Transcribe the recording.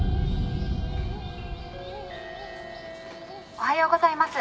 おはようございます。